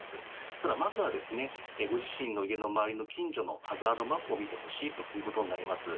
ただ、まずはご自身の家の周りの近所のハザードマップを見てほしいということになります。